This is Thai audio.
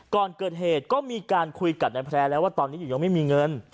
ก่อนเกิดเหตุก็มีการคุยกับนายแพร่แล้วว่าตอนนี้หญิงยังไม่มีเงิน